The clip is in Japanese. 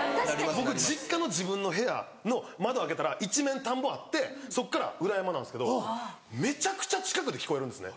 僕実家の自分の部屋の窓開けたら一面田んぼあってそっから裏山なんですけどめちゃくちゃ近くで聞こえるんですね